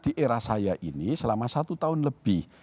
di era saya ini selama satu tahun lebih